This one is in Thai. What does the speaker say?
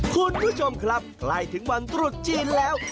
คุณผู้ชมครับใกล้ถึงวันตรุษจีนแล้ว